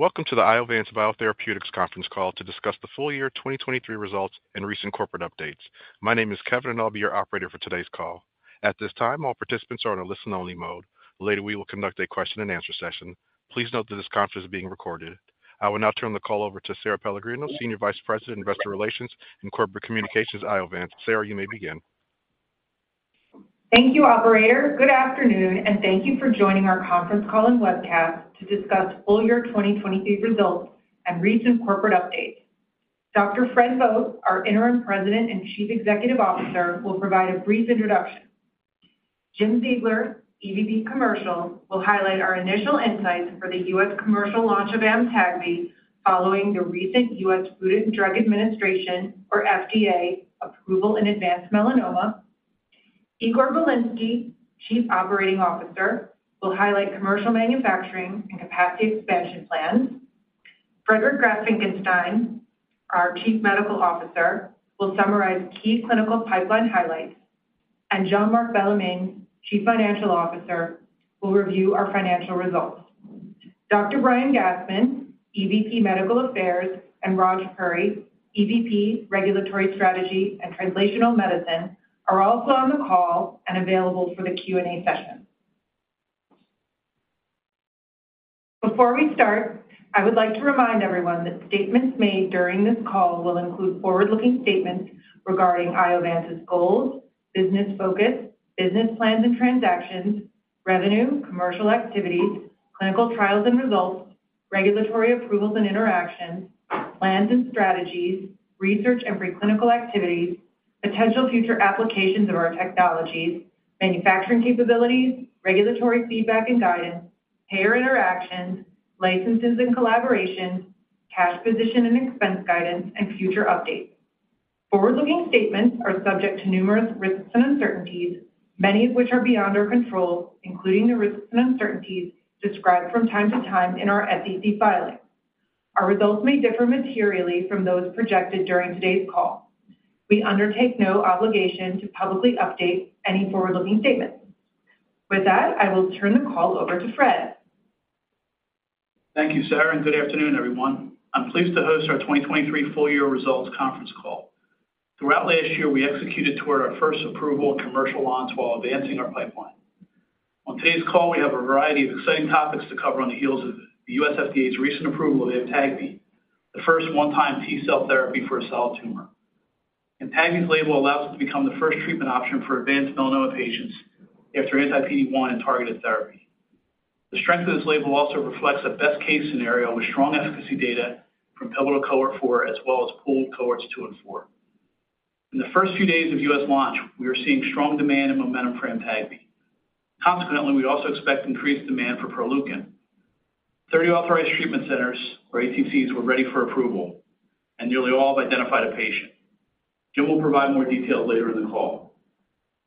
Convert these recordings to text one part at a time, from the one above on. Welcome to the Iovance Biotherapeutics conference call to discuss the full year 2023 results and recent corporate updates. My name is Kevin, and I'll be your operator for today's call. At this time, all participants are on a listen-only mode. Later, we will conduct a question-and-answer session. Please note that this conference is being recorded. I will now turn the call over to Sara Pellegrino, Senior Vice President, Investor Relations and Corporate Communications at Iovance. Sara, you may begin. Thank you, operator. Good afternoon, and thank you for joining our conference call and webcast to discuss full year 2023 results and recent corporate updates. Dr. Fred Vogt, our interim president and chief executive officer, will provide a brief introduction. Jim Ziegler, EVP Commercial, will highlight our initial insights for the U.S. commercial launch of AMTAGVI following the recent U.S. Food and Drug Administration, or FDA, approval in advanced melanoma. Igor Bilinsky, Chief Operating Officer, will highlight commercial manufacturing and capacity expansion plans. Friedrich Graf Finckenstein, our Chief Medical Officer, will summarize key clinical pipeline highlights. Jean-Marc Bellemin, Chief Financial Officer, will review our financial results. Dr. Brian Gastman, EVP Medical Affairs, and Raj Puri, EVP Regulatory Strategy and Translational Medicine, are also on the call and available for the Q&A session. Before we start, I would like to remind everyone that statements made during this call will include forward-looking statements regarding Iovance's goals, business focus, business plans and transactions, revenue, commercial activities, clinical trials and results, regulatory approvals and interactions, plans and strategies, research and preclinical activities, potential future applications of our technologies, manufacturing capabilities, regulatory feedback and guidance, payer interactions, licenses and collaborations, cash position and expense guidance, and future updates. Forward-looking statements are subject to numerous risks and uncertainties, many of which are beyond our control, including the risks and uncertainties described from time to time in our SEC filing. Our results may differ materially from those projected during today's call. We undertake no obligation to publicly update any forward-looking statements. With that, I will turn the call over to Fred. Thank you, Sara, and good afternoon, everyone. I'm pleased to host our 2023 full year results conference call. Throughout last year, we executed toward our first approval in commercial launch while advancing our pipeline. On today's call, we have a variety of exciting topics to cover on the heels of the U.S. FDA's recent approval of AMTAGVI, the first one-time T-cell therapy for a solid tumor. AMTAGVI's label allows it to become the first treatment option for advanced melanoma patients after anti-PD-1 and targeted therapy. The strength of this label also reflects a best-case scenario with strong efficacy data from pivotal cohort 4 as well as pooled cohorts 2 and 4. In the first few days of U.S. launch, we were seeing strong demand and momentum for AMTAGVI. Consequently, we also expect increased demand for Proleukin. 30 authorized treatment centers, or ATCs, were ready for approval, and nearly all have identified a patient. Jim will provide more details later in the call.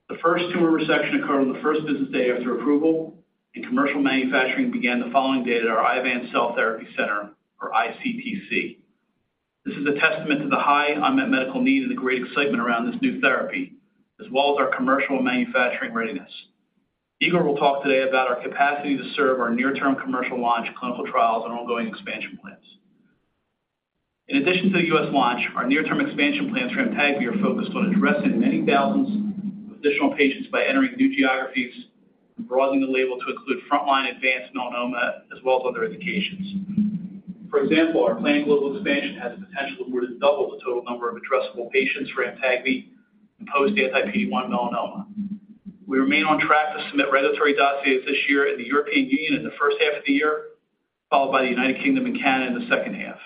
The first tumor resection occurred on the first business day after approval, and commercial manufacturing began the following day at our Iovance Cell Therapy Center, or iCTC. This is a testament to the high unmet medical need and the great excitement around this new therapy, as well as our commercial and manufacturing readiness. Igor will talk today about our capacity to serve our near-term commercial launch, clinical trials, and ongoing expansion plans. In addition to the U.S. launch, our near-term expansion plans for AMTAGVI are focused on addressing many thousands of additional patients by entering new geographies and broadening the label to include frontline advanced melanoma as well as other indications. For example, our planned global expansion has the potential to more than double the total number of addressable patients for AMTAGVI and post-anti-PD-1 melanoma. We remain on track to submit regulatory dossiers this year in the European Union in the first half of the year, followed by the United Kingdom and Canada in the second half.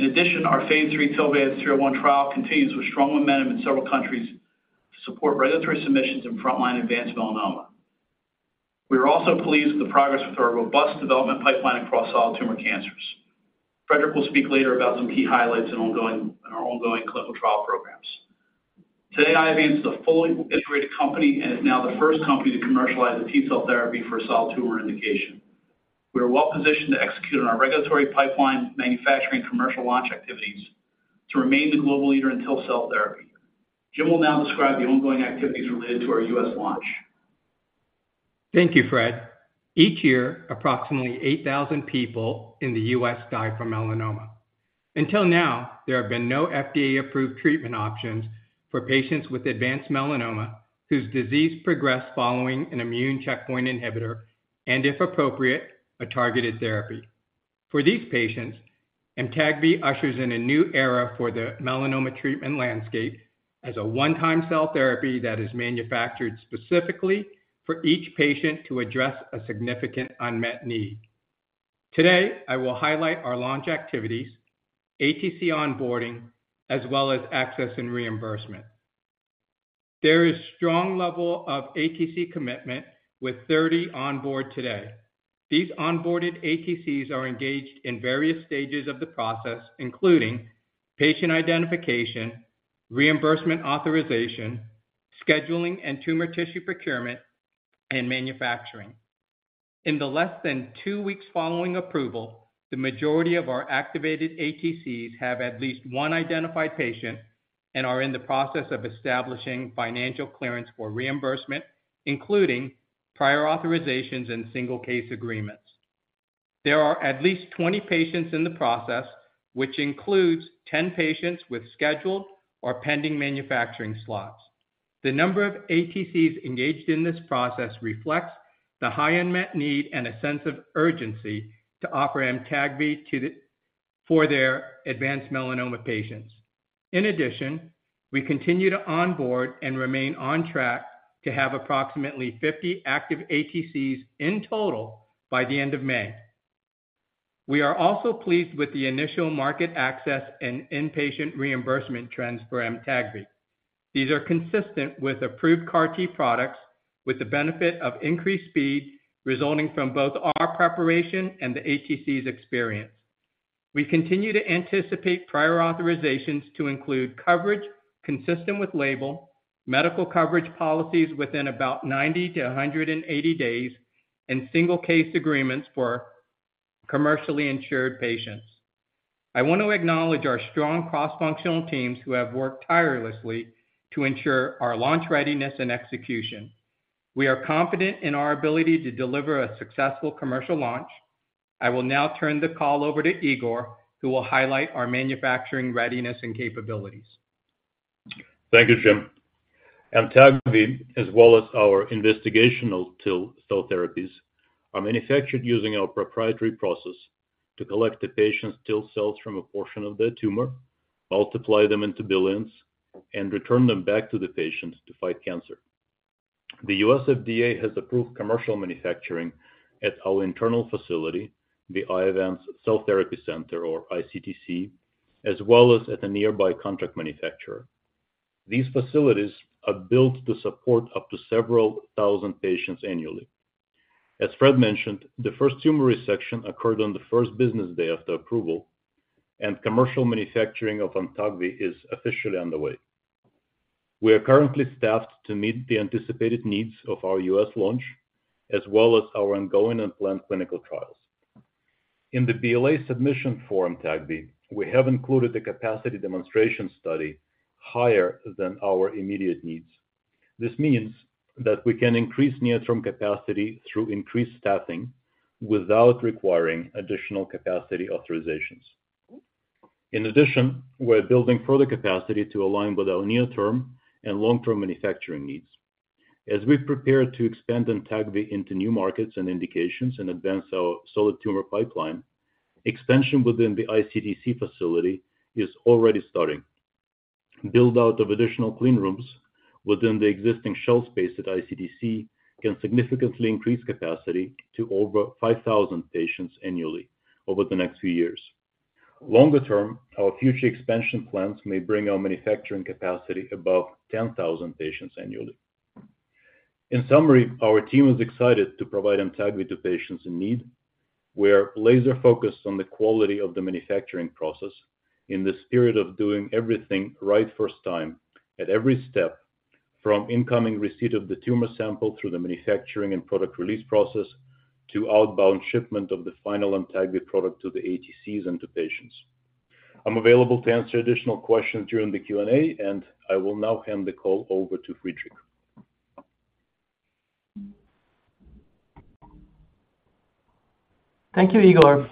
In addition, our phase III TILVANCE-301 trial continues with strong momentum in several countries to support regulatory submissions in frontline advanced melanoma. We are also pleased with the progress with our robust development pipeline across solid tumor cancers. Frederich will speak later about some key highlights in our ongoing clinical trial programs. Today, Iovance is a fully integrated company and is now the first company to commercialize a T-cell therapy for a solid tumor indication. We are well positioned to execute on our regulatory pipeline, manufacturing, and commercial launch activities to remain the global leader in T-cell therapy. Jim will now describe the ongoing activities related to our U.S. launch. Thank you, Fred. Each year, approximately 8,000 people in the U.S. die from melanoma. Until now, there have been no FDA-approved treatment options for patients with advanced melanoma whose disease progressed following an immune checkpoint inhibitor and, if appropriate, a targeted therapy. For these patients, AMTAGVI ushers in a new era for the melanoma treatment landscape as a one-time cell therapy that is manufactured specifically for each patient to address a significant unmet need. Today, I will highlight our launch activities, ATC onboarding, as well as access and reimbursement. There is a strong level of ATC commitment with 30 onboard today. These onboarded ATCs are engaged in various stages of the process, including patient identification, reimbursement authorization, scheduling and tumor tissue procurement, and manufacturing. In the less than 2 weeks following approval, the majority of our activated ATCs have at least one identified patient and are in the process of establishing financial clearance for reimbursement, including prior authorizations and single-case agreements. There are at least 20 patients in the process, which includes 10 patients with scheduled or pending manufacturing slots. The number of ATCs engaged in this process reflects the high unmet need and a sense of urgency to offer AMTAGVI for their advanced melanoma patients. In addition, we continue to onboard and remain on track to have approximately 50 active ATCs in total by the end of May. We are also pleased with the initial market access and inpatient reimbursement trends for AMTAGVI. These are consistent with approved CAR-T products, with the benefit of increased speed resulting from both our preparation and the ATC's experience. We continue to anticipate prior authorizations to include coverage consistent with label, medical coverage policies within about 90-180 days, and single-case agreements for commercially insured patients. I want to acknowledge our strong cross-functional teams who have worked tirelessly to ensure our launch readiness and execution. We are confident in our ability to deliver a successful commercial launch. I will now turn the call over to Igor, who will highlight our manufacturing readiness and capabilities. Thank you, Jim. AMTAGVI, as well as our investigational T-cell therapies, are manufactured using our proprietary process to collect the patient's T-cells from a portion of their tumor, multiply them into billions, and return them back to the patient to fight cancer. The U.S. FDA has approved commercial manufacturing at our internal facility, the Iovance Cell Therapy Center, or iCTC, as well as at a nearby contract manufacturer. These facilities are built to support up to several thousand patients annually. As Fred mentioned, the first tumor resection occurred on the first business day after approval, and commercial manufacturing of AMTAGVI is officially underway. We are currently staffed to meet the anticipated needs of our U.S. launch, as well as our ongoing and planned clinical trials. In the BLA submission for AMTAGVI, we have included a capacity demonstration study higher than our immediate needs. This means that we can increase near-term capacity through increased staffing without requiring additional capacity authorizations. In addition, we're building further capacity to align with our near-term and long-term manufacturing needs. As we prepare to expand AMTAGVI into new markets and indications and advance our solid tumor pipeline, expansion within the iCTC facility is already starting. Buildout of additional clean rooms within the existing shell space at iCTC can significantly increase capacity to over 5,000 patients annually over the next few years. Longer term, our future expansion plans may bring our manufacturing capacity above 10,000 patients annually. In summary, our team is excited to provide AMTAGVI to patients in need. We are laser-focused on the quality of the manufacturing process in this spirit of doing everything right first time at every step, from incoming receipt of the tumor sample through the manufacturing and product release process to outbound shipment of the final AMTAGVI product to the ATCs and to patients. I'm available to answer additional questions during the Q&A, and I will now hand the call over to Friedrich. Thank you, Igor.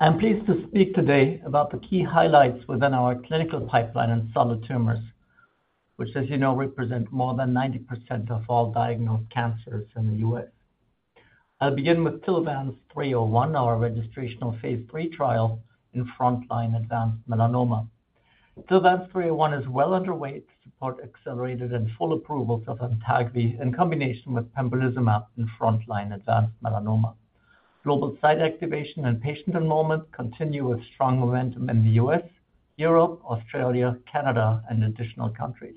I'm pleased to speak today about the key highlights within our clinical pipeline in solid tumors, which, as you know, represent more than 90% of all diagnosed cancers in the U.S. I'll begin with TILVANCE-301, our registration of phase III trial in frontline advanced melanoma. TILVANCE-301 is well underway to support accelerated and full approvals of AMTAGVI in combination with pembrolizumab in frontline advanced melanoma. Global site activation and patient enrollment continue with strong momentum in the U.S., Europe, Australia, Canada, and additional countries.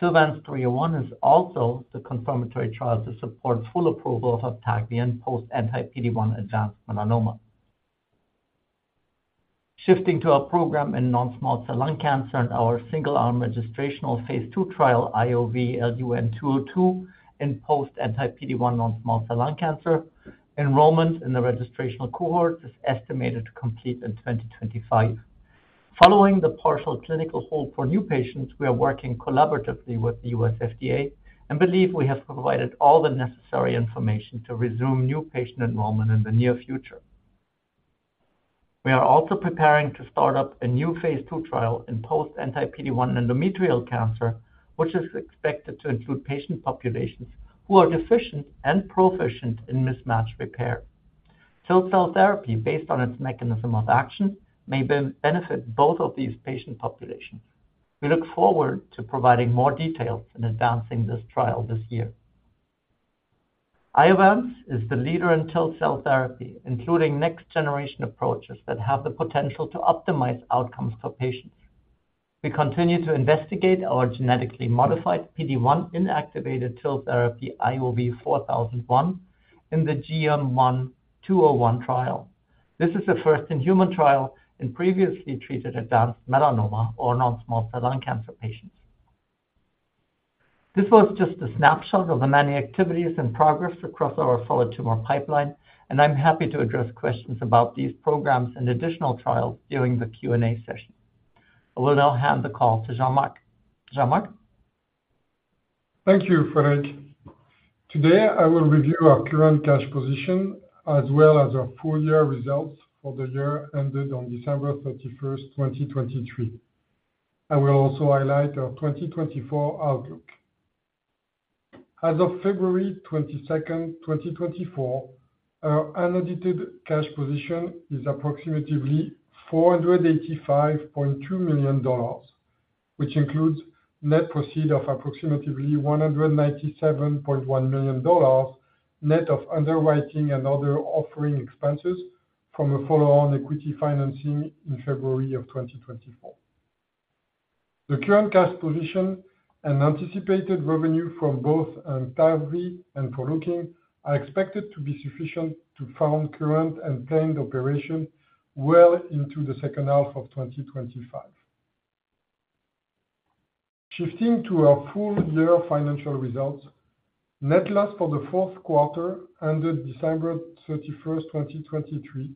TILVANCE-301 is also the confirmatory trial to support full approval of AMTAGVI in post-anti-PD-1 advanced melanoma. Shifting to our program in non-small cell lung cancer and our single-arm registration of phase II trial IOV-LUN-202 in post-anti-PD-1 non-small cell lung cancer, enrollment in the registration cohort is estimated to complete in 2025. Following the partial clinical hold for new patients, we are working collaboratively with the U.S. FDA and believe we have provided all the necessary information to resume new patient enrollment in the near future. We are also preparing to start up a new phase II trial in post-anti-PD-1 endometrial cancer, which is expected to include patient populations who are deficient and proficient in mismatch repair. T-cell therapy, based on its mechanism of action, may benefit both of these patient populations. We look forward to providing more details and advancing this trial this year. Iovance is the leader in T-cell therapy, including next-generation approaches that have the potential to optimize outcomes for patients. We continue to investigate our genetically modified PD-1 inactivated T-cell therapy IOV-4001 in the GM1201 trial. This is a first-in-human trial in previously treated advanced melanoma or non-small cell lung cancer patients. This was just a snapshot of the many activities and progress across our solid tumor pipeline, and I'm happy to address questions about these programs and additional trials during the Q&A session. I will now hand the call to Jean-Marc. Jean-Marc? Thank you, Fred. Today, I will review our current cash position as well as our full year results for the year ended on December 31, 2023. I will also highlight our 2024 outlook. As of February 22, 2024, our unrestricted cash position is approximately $485.2 million, which includes net proceeds of approximately $197.1 million net of underwriting and other offering expenses from a follow-on equity financing in February of 2024. The current cash position and anticipated revenue from both AMTAGVI and Proleukin are expected to be sufficient to fund current and planned operations well into the second half of 2025. Shifting to our full year financial results, net loss for the fourth quarter ended December 31, 2023,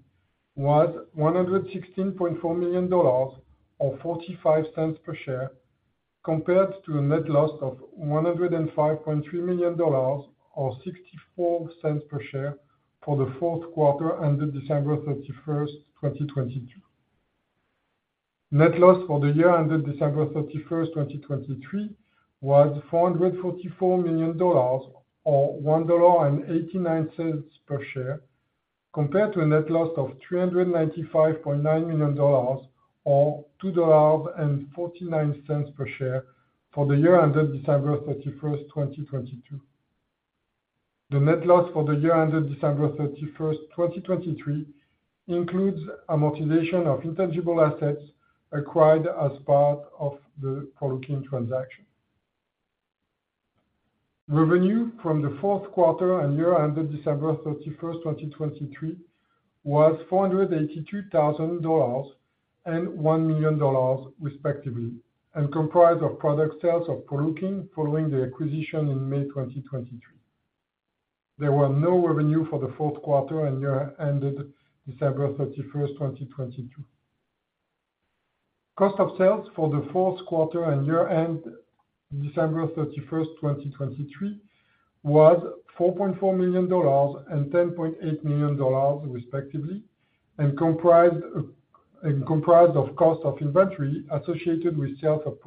was $116.4 million or $0.45 per share, compared to a net loss of $105.3 million or $0.64 per share for the fourth quarter ended December 31, 2022. Net loss for the year ended December 31, 2023, was $444 million or $1.89 per share, compared to a net loss of $395.9 million or $2.49 per share for the year ended December 31, 2022. The net loss for the year ended December 31, 2023, includes amortization of intangible assets acquired as part of the Proleukin transaction. Revenue from the fourth quarter and year ended December 31, 2023, was $482,000 and $1 million, respectively, and comprised of product sales of Proleukin following the acquisition in May 2023. There was no revenue for the fourth quarter and year ended December 31, 2022. Cost of sales for the fourth quarter and year ended December 31, 2023, was $4.4 million and $10.8 million, respectively, and comprised of cost of inventory associated with sales of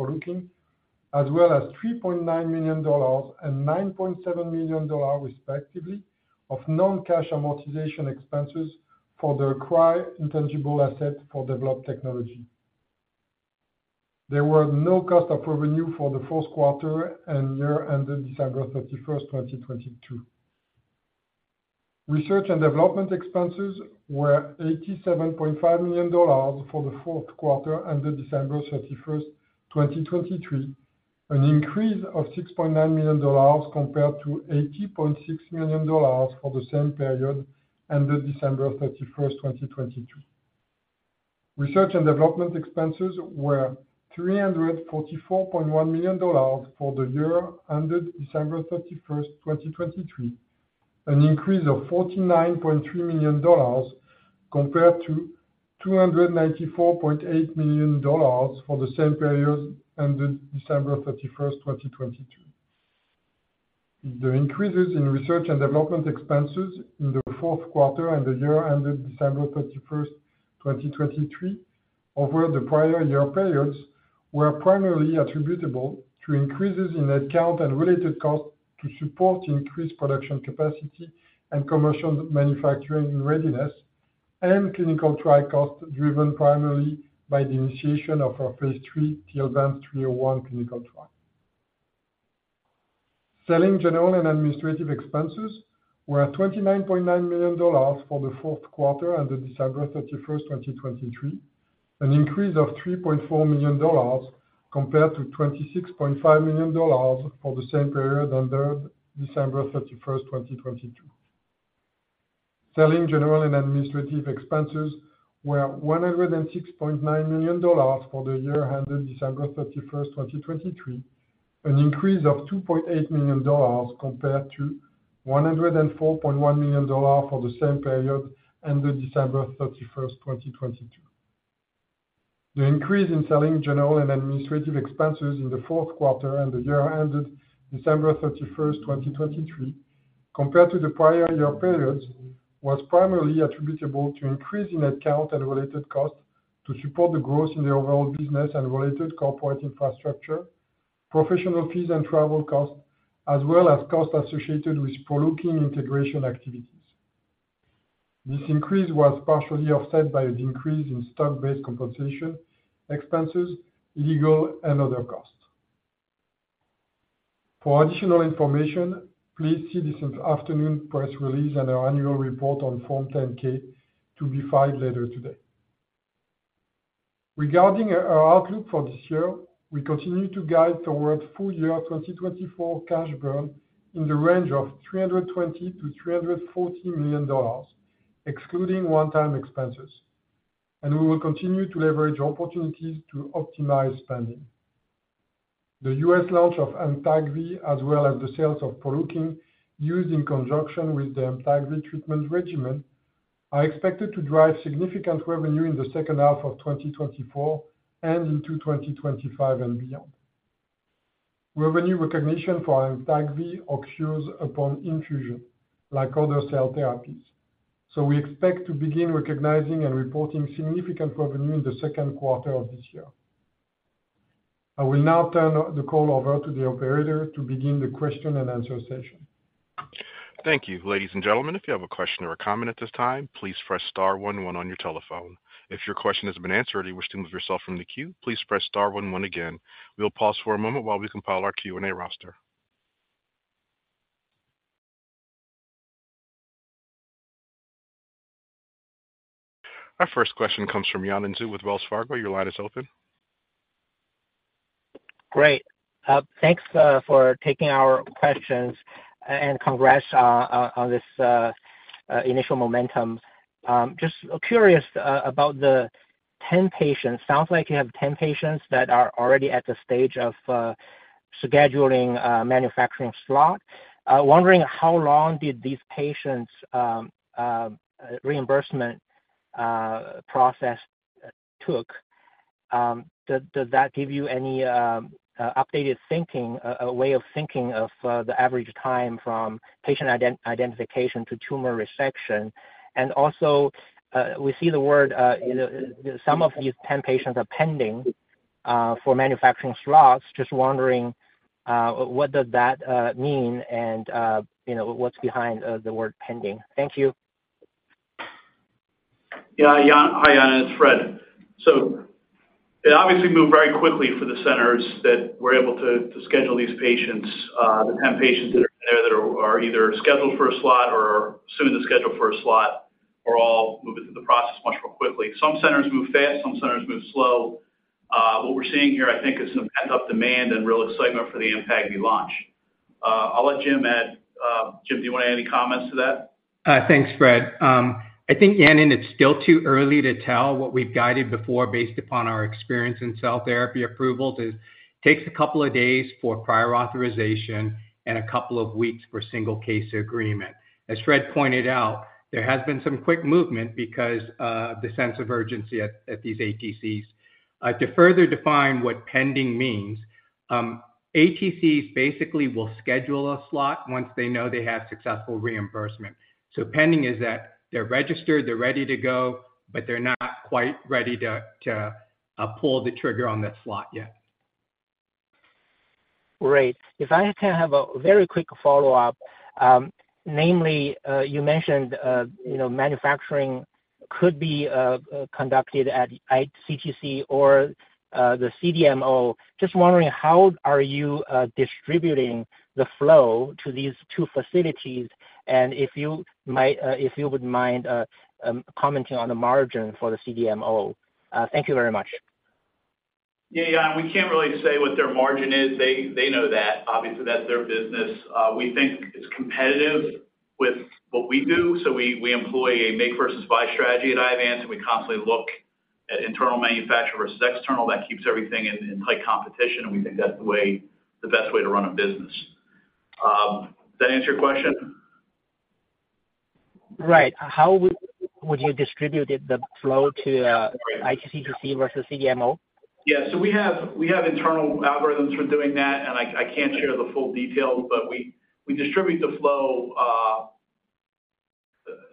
Proleukin, as well as $3.9 million and $9.7 million, respectively, of non-cash amortization expenses for the acquired intangible assets for developed technology. There were no cost of revenue for the fourth quarter and year ended December 31, 2022. Research and development expenses were $87.5 million for the fourth quarter ended December 31, 2023, an increase of $6.9 million compared to $80.6 million for the same period ended December 31, 2022. Research and development expenses were $344.1 million for the year ended December 31, 2023, an increase of $49.3 million compared to $294.8 million for the same period ended December 31, 2022. The increases in research and development expenses in the fourth quarter and the year ended December 31, 2023, over the prior year periods, were primarily attributable to increases in headcount and related costs to support increased production capacity and commercial manufacturing readiness, and clinical trial costs driven primarily by the initiation of our phase 3 TILVANCE-301 clinical trial. Selling general and administrative expenses were $29.9 million for the fourth quarter ended December 31, 2023, an increase of $3.4 million compared to $26.5 million for the same period ended December 31, 2022. Selling general and administrative expenses were $106.9 million for the year ended December 31, 2023, an increase of $2.8 million compared to $104.1 million for the same period ended December 31, 2022. The increase in selling, general and administrative expenses in the fourth quarter and the year ended December 31, 2023, compared to the prior year periods, was primarily attributable to increase in headcount and related costs to support the growth in the overall business and related corporate infrastructure, professional fees and travel costs, as well as costs associated with Proleukin integration activities. This increase was partially offset by an increase in stock-based compensation expenses, IL-2, and other costs. For additional information, please see this afternoon press release and our annual report on Form 10-K to be filed later today. Regarding our outlook for this year, we continue to guide toward full year 2024 cash burn in the range of $320 million-$340 million, excluding one-time expenses, and we will continue to leverage opportunities to optimize spending. The U.S. launch of AMTAGVI, as well as the sales of Proleukin used in conjunction with the AMTAGVI treatment regimen, are expected to drive significant revenue in the second half of 2024 and into 2025 and beyond. Revenue recognition for AMTAGVI occurs upon infusion, like other cell therapies, so we expect to begin recognizing and reporting significant revenue in the second quarter of this year. I will now turn the call over to the operator to begin the question-and-answer session. Thank you. Ladies and gentlemen, if you have a question or a comment at this time, please press star 1,1 on your telephone. If your question has been answered or you wish to move yourself from the queue, please press star 1,1 again. We'll pause for a moment while we compile our Q&A roster. Our first question comes from Yanan Zhu with Wells Fargo. Your line is open. Great. Thanks for taking our questions, and congrats on this initial momentum. Just curious about the 10 patients. Sounds like you have 10 patients that are already at the stage of scheduling a manufacturing slot. Wondering how long did these patients' reimbursement process took? Does that give you any updated way of thinking of the average time from patient identification to tumor resection? And also, we see the word some of these 10 patients are pending for manufacturing slots. Just wondering what does that mean, and what's behind the word pending? Thank you. Yeah, hi, Yan. It's Fred. So it obviously moved very quickly for the centers that were able to schedule these patients. The 10 patients that are in there that are either scheduled for a slot or are soon to schedule for a slot are all moving through the process much more quickly. Some centers move fast. Some centers move slow. What we're seeing here, I think, is some pent-up demand and real excitement for the AMTAGVI launch. I'll let Jim add. Jim, do you want to add any comments to that? Thanks, Fred. I think, Yan, it's still too early to tell. What we've guided before, based upon our experience in cell therapy approvals, is it takes a couple of days for prior authorization and a couple of weeks for single-case agreement. As Fred pointed out, there has been some quick movement because of the sense of urgency at these ATCs. To further define what pending means, ATCs basically will schedule a slot once they know they have successful reimbursement. So pending is that they're registered, they're ready to go, but they're not quite ready to pull the trigger on that slot yet. Great. If I can have a very quick follow-up, namely, you mentioned manufacturing could be conducted at CTC or the CDMO. Just wondering, how are you distributing the flow to these two facilities, and if you would mind commenting on the margin for the CDMO? Thank you very much. Yeah, Yan, we can't really say what their margin is. They know that. Obviously, that's their business. We think it's competitive with what we do, so we employ a make versus buy strategy at Iovance, and we constantly look at internal manufacturer versus external. That keeps everything in tight competition, and we think that's the best way to run a business. Does that answer your question? Right. How would you distribute the flow to iCTC versus CDMO? Yeah, so we have internal algorithms for doing that, and I can't share the full details, but we distribute the flow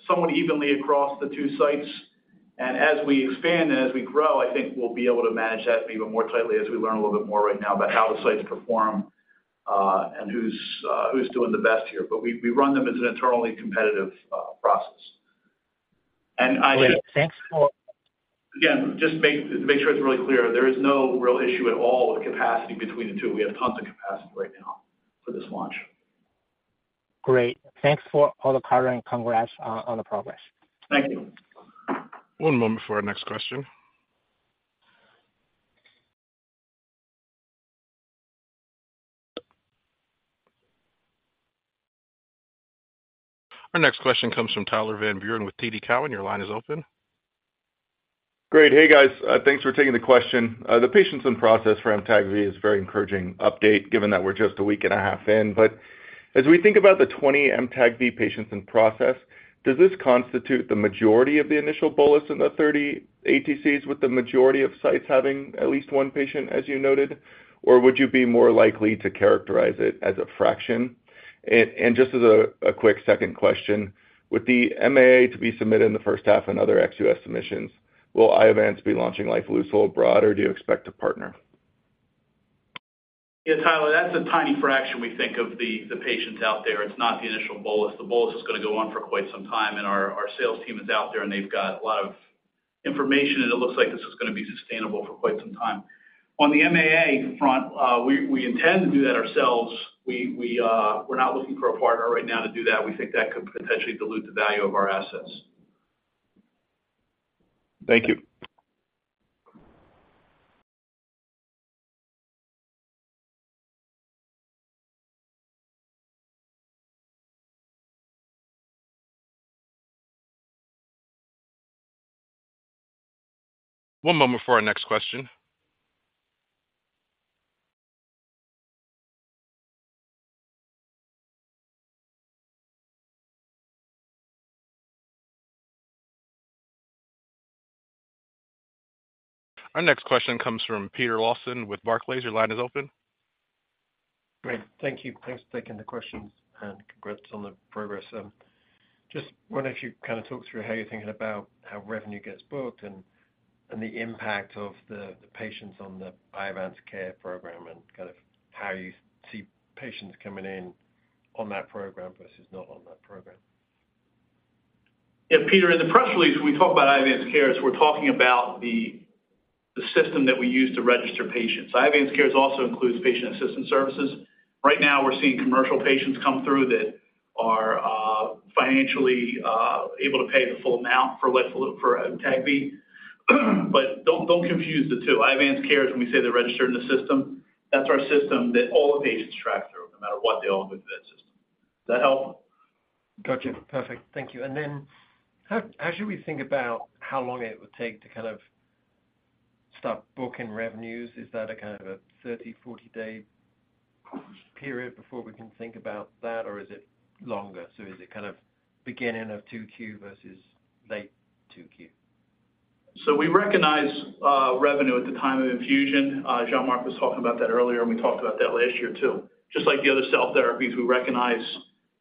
somewhat evenly across the two sites. As we expand and as we grow, I think we'll be able to manage that even more tightly as we learn a little bit more right now about how the sites perform and who's doing the best here. We run them as an internally competitive process. I should. Great. Thanks for. Again, just to make sure it's really clear, there is no real issue at all with capacity between the two. We have tons of capacity right now for this launch. Great. Thanks for all the cover and congrats on the progress. Thank you. One moment for our next question. Our next question comes from Tyler Van Buren with TD Cowen. Your line is open. Great. Hey, guys. Thanks for taking the question. The patients in process for AMTAGVI is a very encouraging update given that we're just a week and a half in. But as we think about the 20 AMTAGVI patients in process, does this constitute the majority of the initial bolus in the 30 ATCs, with the majority of sites having at least one patient, as you noted, or would you be more likely to characterize it as a fraction? And just as a quick second question, with the MAA to be submitted in the first half and other XUS submissions, will Iovance be launching lifileucel abroad, or do you expect to partner? Yeah, Tyler, that's a tiny fraction, we think, of the patients out there. It's not the initial bolus. The bolus is going to go on for quite some time, and our sales team is out there, and they've got a lot of information, and it looks like this is going to be sustainable for quite some time. On the MAA front, we intend to do that ourselves. We're not looking for a partner right now to do that. We think that could potentially dilute the value of our assets. Thank you. One moment for our next question. Our next question comes from Peter Lawson with Barclays. Your line is open. Great. Thank you. Thanks for taking the questions, and congrats on the progress. Just wondering if you could kind of talk through how you're thinking about how revenue gets booked and the impact of the patients on the IovanceCares program and kind of how you see patients coming in on that program versus not on that program. Yeah, Peter, in the press release, when we talk about IovanceCares, it's, we're talking about the system that we use to register patients. IovanceCares also includes patient assistance services. Right now, we're seeing commercial patients come through that are financially able to pay the full amount for AMTAGVI. But don't confuse the two. IovanceCares, when we say they're registered in the system, that's our system that all the patients track through, no matter what they all do through that system. Does that help? Gotcha. Perfect. Thank you. And then how should we think about how long it would take to kind of start booking revenues? Is that kind of a 30, 40-day period before we can think about that, or is it longer? So is it kind of beginning of 2Q versus late 2Q? So we recognize revenue at the time of infusion. Jean-Marc was talking about that earlier, and we talked about that last year too. Just like the other cell therapies, we recognize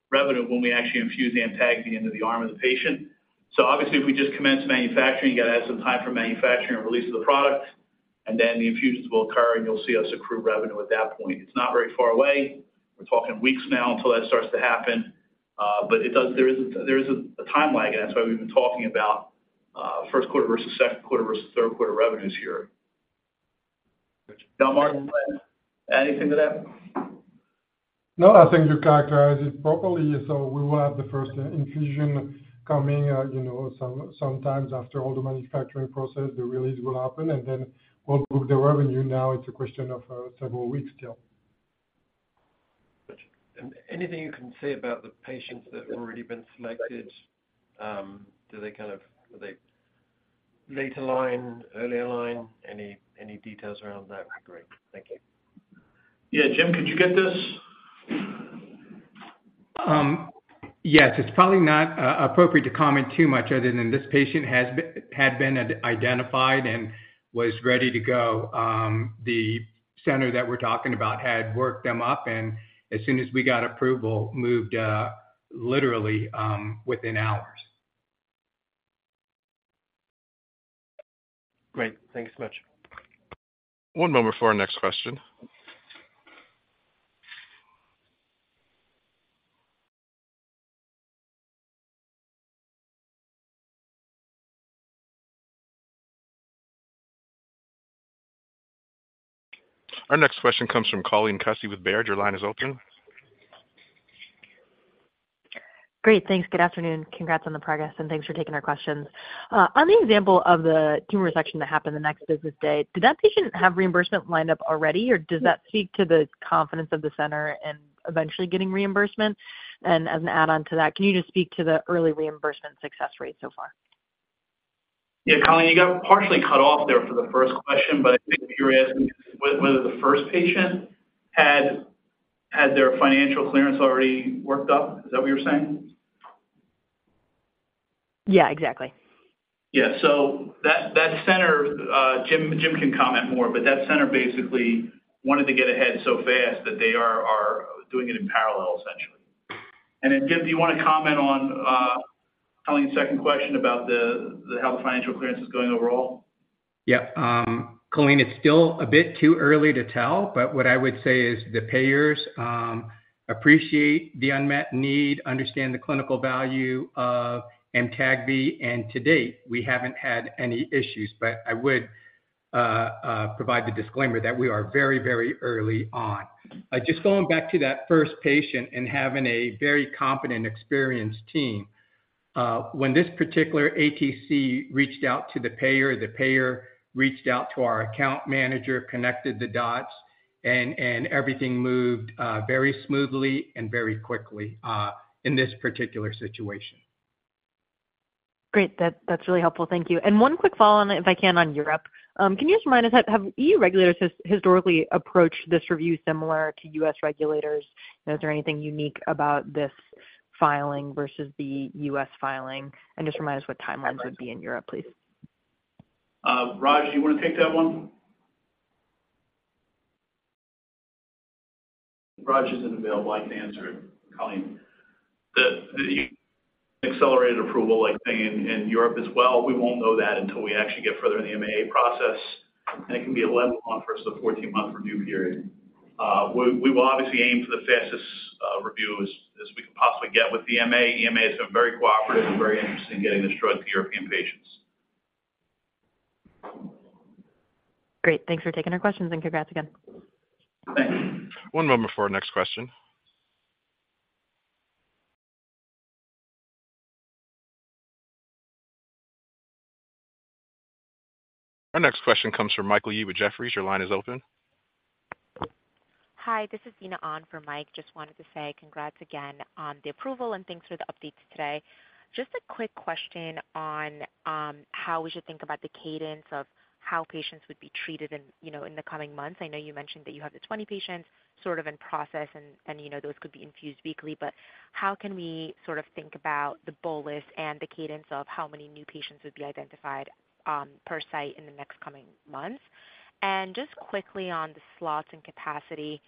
revenue when we actually infuse AMTAGVI into the arm of the patient. So obviously, if we just commence manufacturing, you got to have some time for manufacturing and release of the product, and then the infusions will occur, and you'll see us accrue revenue at that point. It's not very far away. We're talking weeks now until that starts to happen. But there is a time lag, and that's why we've been talking about first quarter versus second quarter versus third quarter revenues here. Jean-Marc, anything to that? No, I think you characterized it properly. So we will have the first infusion coming some time after all the manufacturing process. The release will happen, and then we'll book the revenue. Now, it's a question of several weeks still. Gotcha. Anything you can say about the patients that have already been selected? Do they kind of are they later line, earlier line? Any details around that would be great. Thank you. Yeah, Jim, could you get this? Yes. It's probably not appropriate to comment too much other than this patient had been identified and was ready to go. The center that we're talking about had worked them up, and as soon as we got approval, moved literally within hours. Great. Thanks so much. One moment for our next question. Our next question comes from Colleen Kusy with Baird. Your line is open. Great. Thanks. Good afternoon. Congrats on the progress, and thanks for taking our questions. On the example of the tumor resection that happened the next business day, did that patient have reimbursement lined up already, or does that speak to the confidence of the center in eventually getting reimbursement? And as an add-on to that, can you just speak to the early reimbursement success rate so far? Yeah, Colleen, you got partially cut off there for the first question, but I think if you were asking whether the first patient had their financial clearance already worked up, is that what you were saying? Yeah, exactly. Yeah. So that center, Jim, can comment more, but that center basically wanted to get ahead so fast that they are doing it in parallel, essentially. And then, Jim, do you want to comment on Colleen's second question about how the financial clearance is going overall? Yeah. Corleen, it's still a bit too early to tell, but what I would say is the payers appreciate the unmet need, understand the clinical value of AMTAGVI, and to date, we haven't had any issues. But I would provide the disclaimer that we are very, very early on. Just going back to that first patient and having a very competent, experienced team, when this particular ATC reached out to the payer, the payer reached out to our account manager, connected the dots, and everything moved very smoothly and very quickly in this particular situation. Great. That's really helpful. Thank you. And one quick follow-on, if I can, on Europe. Can you just remind us, have E.U. regulators historically approached this review similar to U.S. regulators? Is there anything unique about this filing versus the U.S. filing? And just remind us what timelines would be in Europe, please. Raj, do you want to take that one? Raj isn't available. I can answer it. Corleen, the accelerated approval thing in Europe as well, we won't know that until we actually get further in the MAA process, and it can be a 11-month versus a 14-month review period. We will obviously aim for the fastest review as we can possibly get with the MAA. EMA has been very cooperative and very interested in getting this drug to European patients. Great. Thanks for taking our questions, and congrats again. Thanks. One moment for our next question. Our next question comes from Michael Yee with Jefferies. Your line is open. Hi. This is Dina Ahn for Mike. Just wanted to say congrats again on the approval, and thanks for the updates today. Just a quick question on how we should think about the cadence of how patients would be treated in the coming months. I know you mentioned that you have the 20 patients sort of in process, and those could be infused weekly, but how can we sort of think about the bolus and the cadence of how many new patients would be identified per site in the next coming months? And just quickly on the slots and capacity,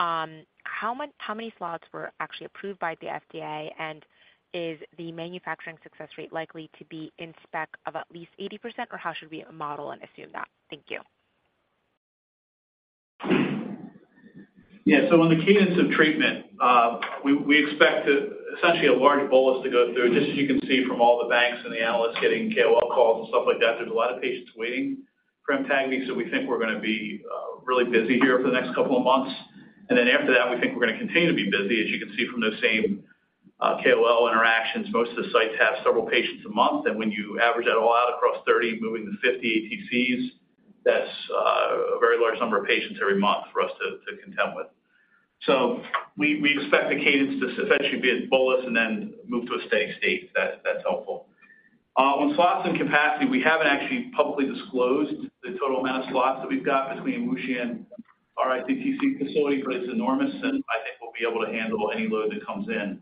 how many slots were actually approved by the FDA, and is the manufacturing success rate likely to be in spec of at least 80%, or how should we model and assume that? Thank you. Yeah. So on the cadence of treatment, we expect essentially a large bolus to go through. Just as you can see from all the banks and the analysts getting KOL calls and stuff like that, there's a lot of patients waiting for AMTAGVI, so we think we're going to be really busy here for the next couple of months. And then after that, we think we're going to continue to be busy. As you can see from those same KOL interactions, most of the sites have several patients a month. And when you average that all out across 30, moving to 50 ATCs, that's a very large number of patients every month for us to contend with. So we expect the cadence to essentially be a bolus and then move to a steady state. That's helpful. On slots and capacity, we haven't actually publicly disclosed the total amount of slots that we've got between WuXi and our iCTC facility, but it's enormous, and I think we'll be able to handle any load that comes in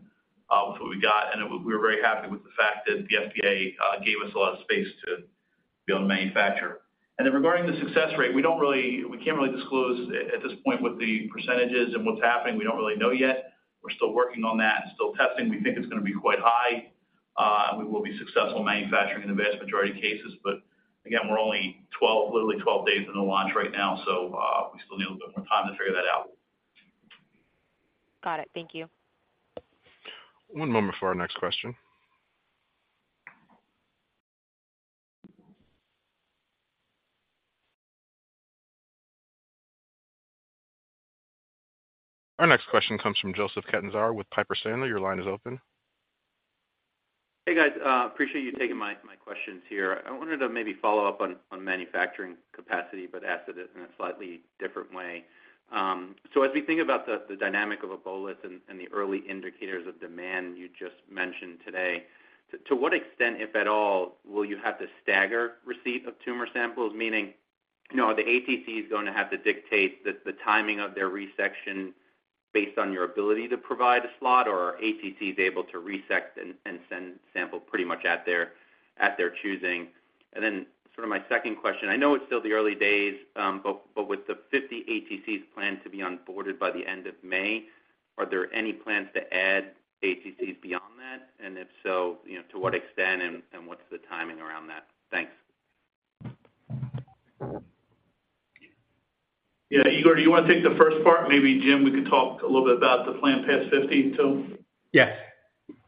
with what we've got. We were very happy with the fact that the FDA gave us a lot of space to be able to manufacture. Then regarding the success rate, we can't really disclose at this point what the percentages and what's happening. We don't really know yet. We're still working on that and still testing. We think it's going to be quite high, and we will be successful manufacturing in the vast majority of cases. But again, we're only literally 12 days into the launch right now, so we still need a little bit more time to figure that out. Got it. Thank you. One moment for our next question. Our next question comes from Joseph Catanzaro with Piper Sandler. Your line is open. Hey, guys. Appreciate you taking my questions here. I wanted to maybe follow up on manufacturing capacity but ask it in a slightly different way. So as we think about the dynamic of a bolus and the early indicators of demand you just mentioned today, to what extent, if at all, will you have to stagger receipt of tumor samples? Meaning, are the ATCs going to have to dictate the timing of their resection based on your ability to provide a slot, or are ATCs able to resect and send sample pretty much at their choosing? And then sort of my second question, I know it's still the early days, but with the 50 ATCs planned to be onboarded by the end of May, are there any plans to add ATCs beyond that? And if so, to what extent and what's the timing around that? Thanks. Yeah. Igor, do you want to take the first part? Maybe, Jim, we could talk a little bit about the plan past 50 too? Yes.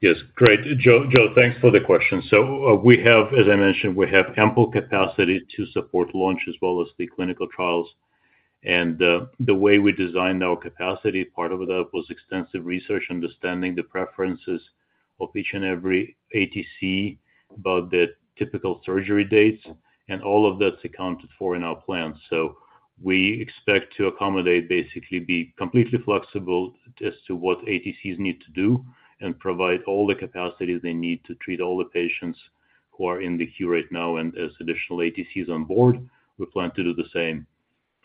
Yes. Great. Joe, thanks for the question. So as I mentioned, we have ample capacity to support launch as well as the clinical trials. And the way we designed our capacity, part of that was extensive research, understanding the preferences of each and every ATC about the typical surgery dates, and all of that's accounted for in our plan. So we expect to accommodate, basically be completely flexible as to what ATCs need to do and provide all the capacities they need to treat all the patients who are in the queue right now. And as additional ATCs on board, we plan to do the same.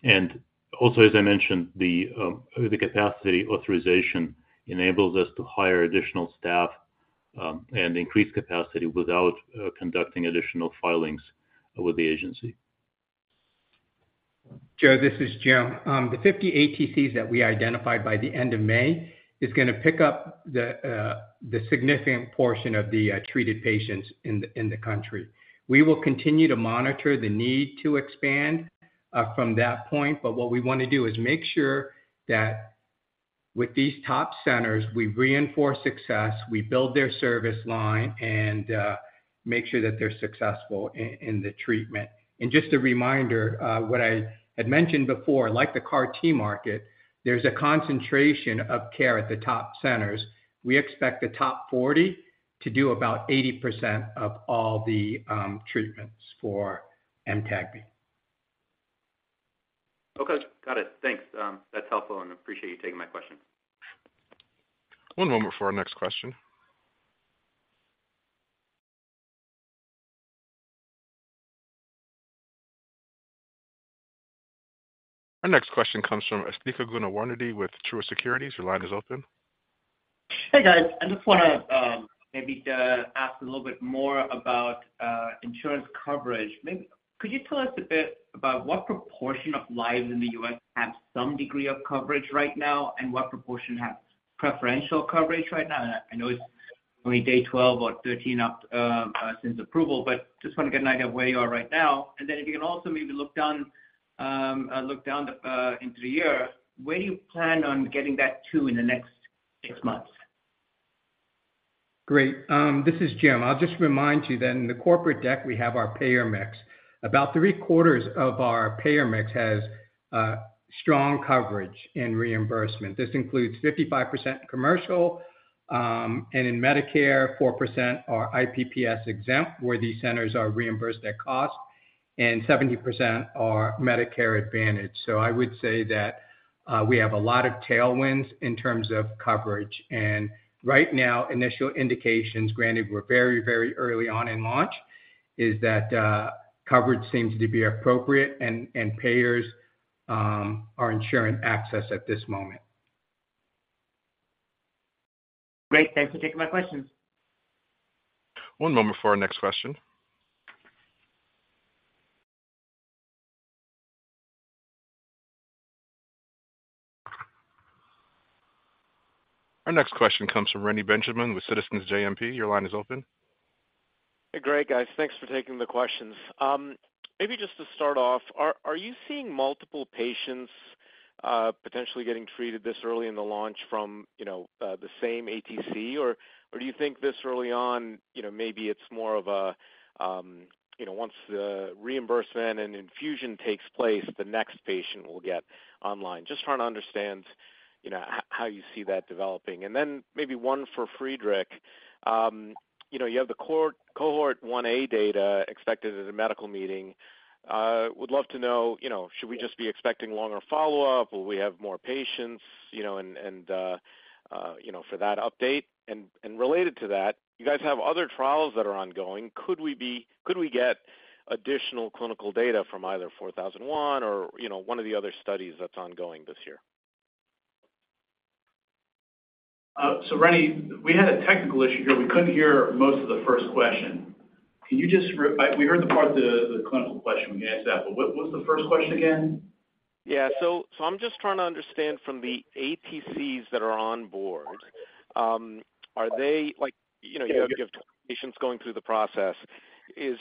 And also, as I mentioned, the capacity authorization enables us to hire additional staff and increase capacity without conducting additional filings with the agency. Joe, this is Jim. The 50 ATCs that we identified by the end of May is going to pick up the significant portion of the treated patients in the country. We will continue to monitor the need to expand from that point, but what we want to do is make sure that with these top centers, we reinforce success, we build their service line, and make sure that they're successful in the treatment. Just a reminder, what I had mentioned before, like the CAR-T market, there's a concentration of care at the top centers. We expect the top 40 to do about 80% of all the treatments for AMTAGVI. Okay. Got it. Thanks. That's helpful, and I appreciate you taking my questions. One moment for our next question. Our next question comes from Asthika Goonewardene with Truist Securities. Your line is open. Hey, guys. I just want to maybe ask a little bit more about insurance coverage. Could you tell us a bit about what proportion of lives in the U.S. have some degree of coverage right now and what proportion have preferential coverage right now? I know it's only day 12 or 13 since approval, but just want to get an idea of where you are right now. Then if you can also maybe look down into the year, where do you plan on getting that to in the next six months? Great. This is Jim. I'll just remind you that in the corporate deck, we have our payer mix. About three-quarters of our payer mix has strong coverage in reimbursement. This includes 55% commercial, and in Medicare, 4% are IPPS exempt where these centers are reimbursed at cost, and 70% are Medicare Advantage. So I would say that we have a lot of tailwinds in terms of coverage. And right now, initial indications, granted, we're very, very early on in launch, is that coverage seems to be appropriate and payers are insuring access at this moment. Great. Thanks for taking my questions. One moment for our next question. Our next question comes from Reni Benjamin with Citizens JMP. Your line is open. Hey, great, guys. Thanks for taking the questions. Maybe just to start off, are you seeing multiple patients potentially getting treated this early in the launch from the same ATC, or do you think this early on, maybe it's more of a once the reimbursement and infusion takes place, the next patient will get online? Just trying to understand how you see that developing. And then maybe one for Friedrich. You have the cohort 1A data expected at a medical meeting. Would love to know, should we just be expecting longer follow-up? Will we have more patients? And for that update and related to that, you guys have other trials that are ongoing. Could we get additional clinical data from either 4001 or one of the other studies that's ongoing this year? So, Reni, we had a technical issue here. We couldn't hear most of the first question. Can you just, we heard the part, the clinical question. We can answer that, but what was the first question again? Yeah. So I'm just trying to understand from the ATCs that are on board, are they you have patients going through the process. Is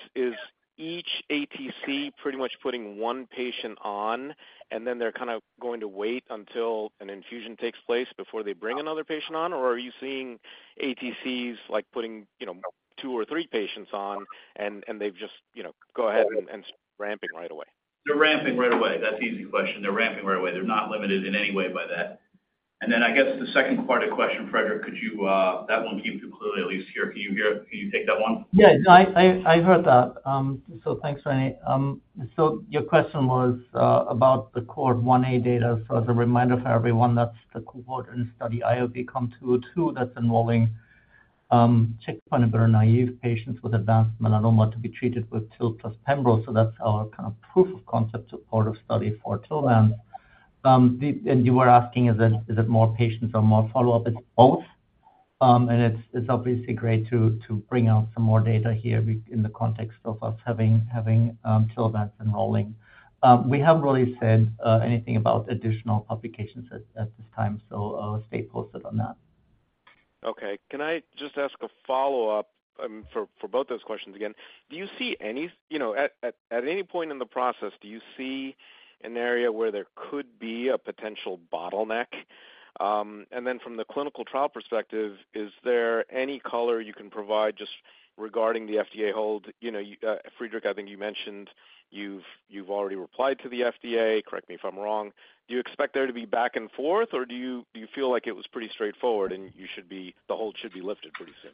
each ATC pretty much putting one patient on, and then they're kind of going to wait until an infusion takes place before they bring another patient on, or are you seeing ATCs putting two or three patients on, and they've just gone ahead and started ramping right away? They're ramping right away. That's an easy question. They're ramping right away. They're not limited in any way by that. And then I guess the second part of the question, Frederick, could you? That one came through clearly at least here. Can you take that one? Yeah. I heard that. So thanks, Reni. So your question was about the cohort 1A data. So as a reminder for everyone, that's the cohort in study IOV-COM-202 that's enrolling chickenpox-naïve patients with advanced melanoma to be treated with TIL plus Pembrol. So that's our kind of proof of concept part of study for TILVANCE. And you were asking, is it more patients or more follow-up? It's both. And it's obviously great to bring out some more data here in the context of us having TILVANCE enrolling. We haven't really said anything about additional publications at this time, so stay posted on that. Okay. Can I just ask a follow-up for both those questions again? Do you see any at any point in the process, do you see an area where there could be a potential bottleneck? And then from the clinical trial perspective, is there any color you can provide just regarding the FDA hold? Friedrich, I think you mentioned you've already replied to the FDA. Correct me if I'm wrong. Do you expect there to be back and forth, or do you feel like it was pretty straightforward and the hold should be lifted pretty soon?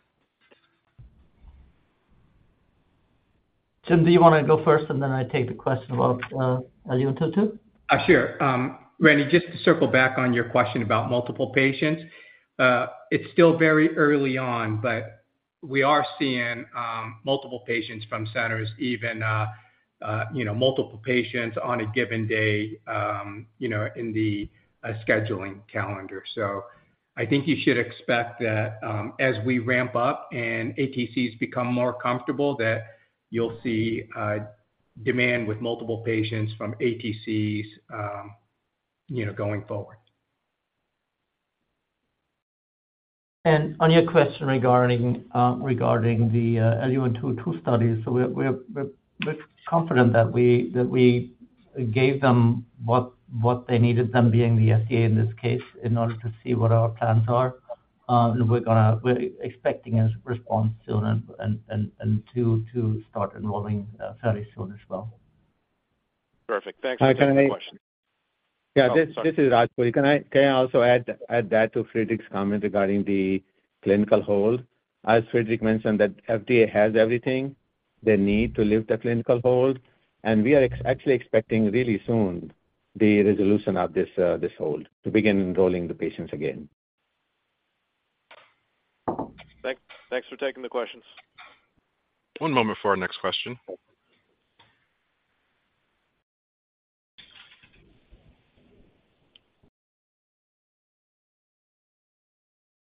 Jim, do you want to go first, and then I take the question about L-202 too? Sure. Reni, just to circle back on your question about multiple patients, it's still very early on, but we are seeing multiple patients from centers, even multiple patients on a given day in the scheduling calendar. So I think you should expect that as we ramp up and ATCs become more comfortable, that you'll see demand with multiple patients from ATCs going forward. On your question regarding the IOV-LUN-202 studies, so we're confident that we gave them what they needed, them being the FDA in this case, in order to see what our plans are. We're expecting a response soon and to start enrolling fairly soon as well. Perfect. Thanks for taking the question. Yeah. This is Raj Puri. Can I also add that to Friedrich's comment regarding the clinical hold? As Friedrich mentioned, the FDA has everything they need to lift the clinical hold, and we are actually expecting really soon the resolution of this hold to begin enrolling the patients again. Thanks for taking the questions. One moment for our next question.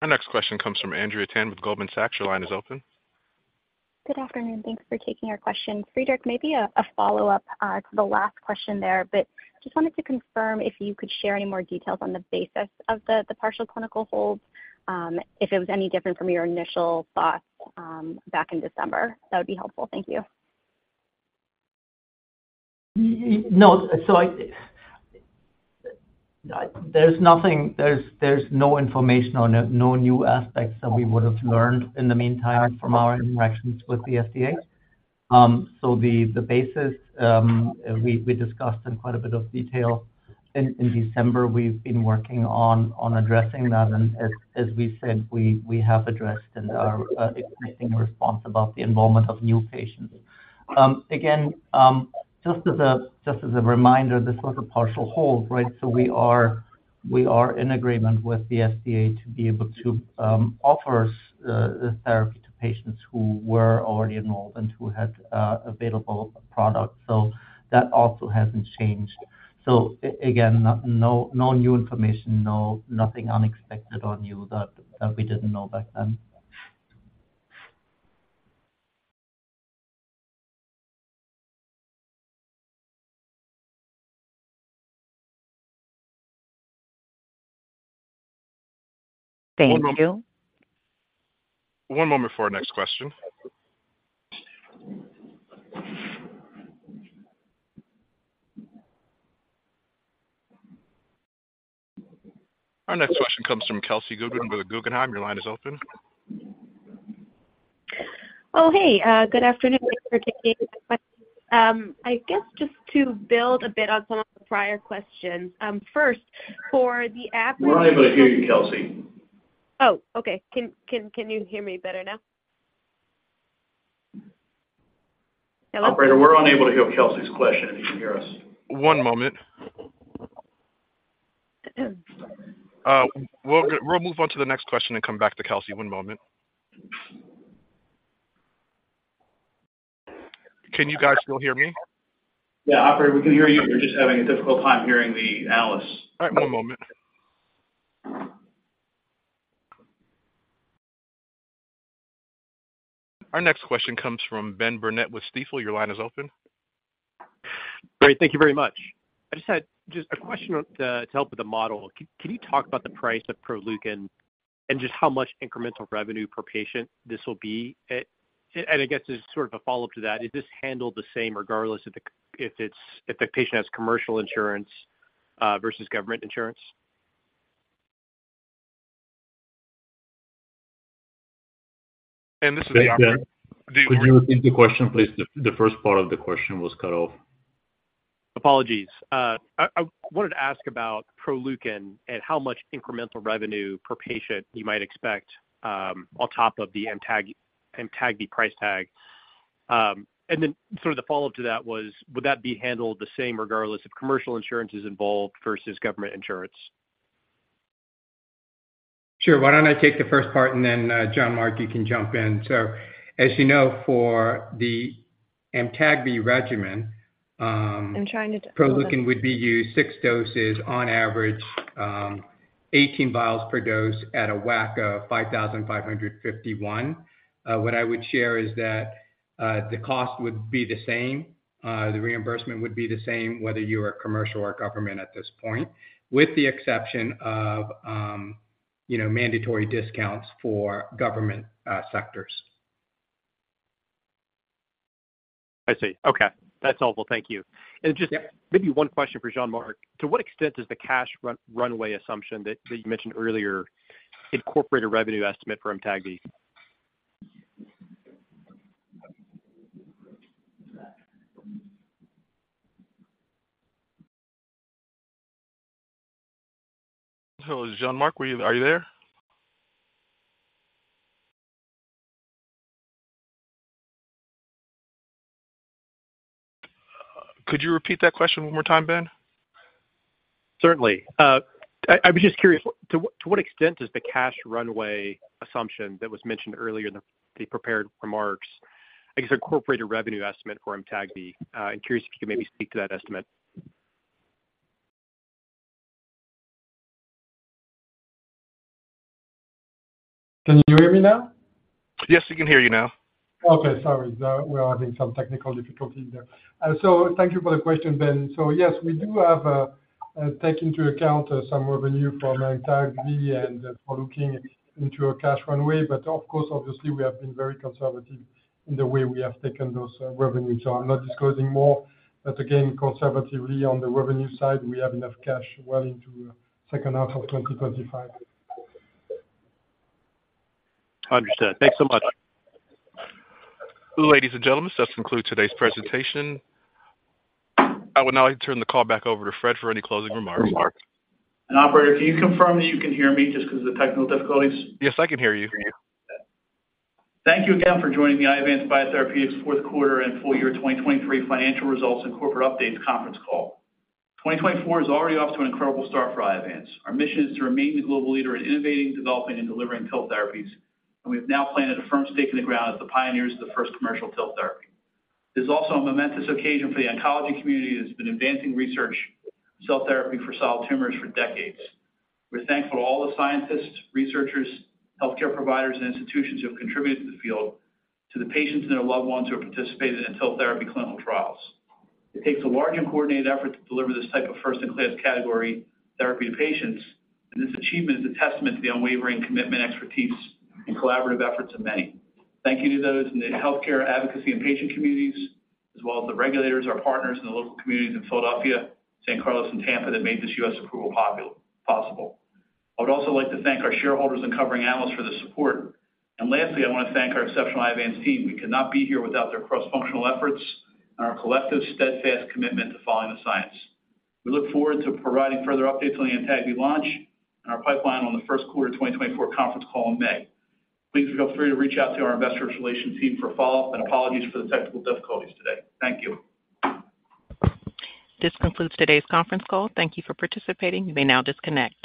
Our next question comes from Andrea Tan with Goldman Sachs. Your line is open. Good afternoon. Thanks for taking our question. Friedrich, maybe a follow-up to the last question there, but just wanted to confirm if you could share any more details on the basis of the partial clinical hold, if it was any different from your initial thoughts back in December. That would be helpful. Thank you. No. So there's no information or no new aspects that we would have learned in the meantime from our interactions with the FDA. So the basis, we discussed in quite a bit of detail in December. We've been working on addressing that. And as we said, we have addressed and are expecting a response about the involvement of new patients. Again, just as a reminder, this was a partial hold, right? So we are in agreement with the FDA to be able to offer therapy to patients who were already enrolled and who had available products. So that also hasn't changed. So again, no new information, nothing unexpected on you that we didn't know back then. Thanks. Joe? One moment for our next question. Our next question comes from Kelsey Goodwin. Your line is open. Oh, hey. Good afternoon. Thanks for taking my questions. I guess just to build a bit on some of the prior questions. First, for the app. We're unable to hear you, Kelsey. Oh, okay. Can you hear me better now? Hello? Operator, we're unable to hear Kelsey's question. If you can hear us. One moment. We'll move on to the next question and come back to Kelsey. One moment. Can you guys still hear me? Yeah. Operator, we can hear you. We're just having a difficult time hearing the analysts. All right. One moment. Our next question comes from Ben Burnett with Stifel. Your line is open. Great. Thank you very much. I just had a question to help with the model. Can you talk about the price of Proleukin and just how much incremental revenue per patient this will be? And I guess it's sort of a follow-up to that. Is this handled the same regardless if the patient has commercial insurance versus government insurance? This is the operator. Could you repeat the question, please? The first part of the question was cut off. Apologies. I wanted to ask about Proleukin and how much incremental revenue per patient you might expect on top of the AMTAGVI price tag. And then sort of the follow-up to that was, would that be handled the same regardless if commercial insurance is involved versus government insurance? Sure. Why don't I take the first part, and then Jean-Marc, you can jump in. So as you know, for the AMTAGVI regimen, Proleukin would be used six doses on average, 18 vials per dose at a whack of $5,551. What I would share is that the cost would be the same. The reimbursement would be the same whether you are commercial or government at this point, with the exception of mandatory discounts for government sectors. I see. Okay. That's helpful. Thank you. And just maybe one question for Jean-Marc. To what extent does the cash runway assumption that you mentioned earlier incorporate a revenue estimate for AMTAGVI? Hello. Is Jean-Marc? Are you there? Could you repeat that question one more time, Ben? Certainly. I was just curious, to what extent does the cash runway assumption that was mentioned earlier in the prepared remarks, I guess, incorporate a revenue estimate for AMTAGVI? And curious if you could maybe speak to that estimate. Can you hear me now? Yes, we can hear you now. Okay. Sorry. We're having some technical difficulty there. So thank you for the question, Ben. So yes, we do have taken into account some revenue from AMTAGVI and Proleukin into our cash runway. But of course, obviously, we have been very conservative in the way we have taken those revenues. So I'm not disclosing more. But again, conservatively on the revenue side, we have enough cash well into the second half of 2025. Understood. Thanks so much. Ladies and gentlemen, that concludes today's presentation. I will now turn the call back over to Fred for any closing remarks. Operator, can you confirm that you can hear me just because of the technical difficulties? Yes, I can hear you. Thank you again for joining the Iovance Biotherapeutics fourth quarter and full year 2023 financial results and corporate updates conference call. 2024 is already off to an incredible start for Iovance. Our mission is to remain the global leader in innovating, developing, and delivering TIL therapies, and we have now planted a firm stake in the ground as the pioneers of the first commercial TIL therapy. This is also a momentous occasion for the oncology community that has been advancing research, cell therapy for solid tumors for decades. We're thankful to all the scientists, researchers, healthcare providers, and institutions who have contributed to the field, to the patients and their loved ones who have participated in TIL therapy clinical trials. It takes a large and coordinated effort to deliver this type of first-in-class category therapy to patients, and this achievement is a testament to the unwavering commitment, expertise, and collaborative efforts of many. Thank you to those in the healthcare advocacy and patient communities, as well as the regulators, our partners, and the local communities in Philadelphia, San Carlos, and Tampa that made this U.S. approval possible. I would also like to thank our shareholders and covering analysts for the support. Lastly, I want to thank our exceptional Iovance team. We could not be here without their cross-functional efforts and our collective, steadfast commitment to following the science. We look forward to providing further updates on the AMTAGVI launch and our pipeline on the first quarter 2024 conference call in May. Please feel free to reach out to our investor relations team for follow-up, and apologies for the technical difficulties today. Thank you. This concludes today's conference call. Thank you for participating. You may now disconnect.